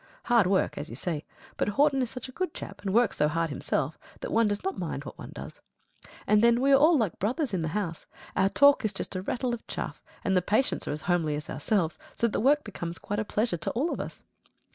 Hard work, as you see; but Horton is such a good chap, and works so hard himself, that one does not mind what one does. And then we are all like brothers in the house; our talk is just a rattle of chaff, and the patients are as homely as ourselves, so that the work becomes quite a pleasure to all of us.